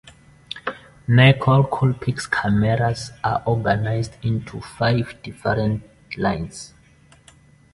Nikon Coolpix cameras are organized into five different lines.